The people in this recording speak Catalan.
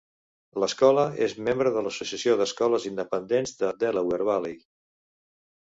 L'escola és membre de l'associació d'escoles independents de Delaware Valley.